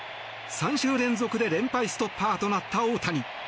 ３週連続で連敗ストッパーとなった大谷。